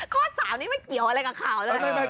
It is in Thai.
ข้อ๓นี้ไม่เกี่ยวอะไรกับข่าวเลย